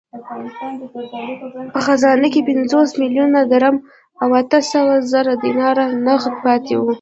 په خزانه کې پنځوس میلیونه درم او اته سوه زره دیناره نغد پاته وو.